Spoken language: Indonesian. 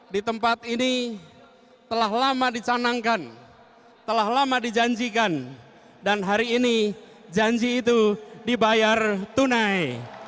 di tempat ini telah lama dicanangkan telah lama dijanjikan dan hari ini janji itu dibayar tunai